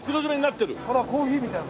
これはコーヒーみたいな感じ。